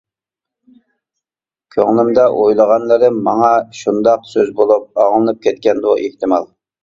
كۆڭلۈمدە ئويلىغانلىرىم ماڭا شۇنداق سۆز بولۇپ ئاڭلىنىپ كەتكەندۇ، ئېھتىمال؟ !